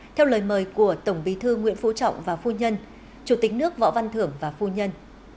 theo lời mời của tổng bí thư nguyễn phú trọng và phu nhân chủ tịch nước võ văn thưởng và phu nhân